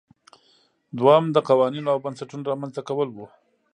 دویم د قوانینو او بنسټونو رامنځته کول وو.